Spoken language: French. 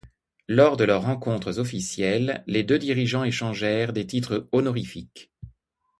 Lors de leurs rencontres officielles, les deux dirigeants échangèrent des titres honorifiques.